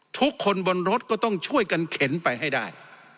ทุกคนบนรถก็ต้องช่วยกันเข็นไปให้ได้